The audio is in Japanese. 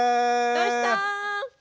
どうした？